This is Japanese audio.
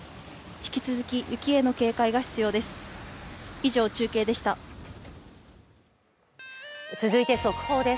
引き続き雪への警戒が必要です。